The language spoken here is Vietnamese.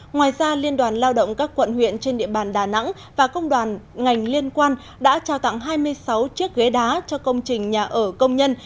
ngoài ra liên đoàn lao động các quận huyện trên địa bàn đà nẵng và công đoàn ngành liên quan đã trao tặng hai mươi sáu chiếc ghế đá cho công trình nhà ở công nhân